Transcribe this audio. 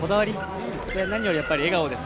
何より笑顔です。